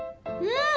うん。